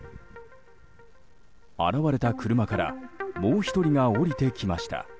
現れた車からもう１人が降りてきました。